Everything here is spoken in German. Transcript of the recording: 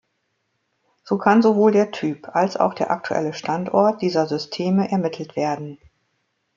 So kann sowohl der Typ als auch der aktuelle Standort dieser Systeme ermittelt werden.